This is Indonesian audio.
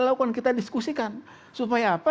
lakukan kita diskusikan supaya apa